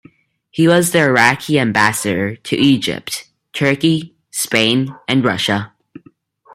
He was the Iraqi Ambassador to Egypt, Turkey, Spain and Russia.